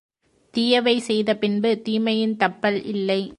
தீயவை செய்த பின்பு தீமையின் தப்பல் இல்லை.